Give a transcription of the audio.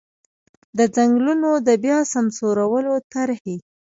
د ځنګلونو د بیا سمسورولو طرحې.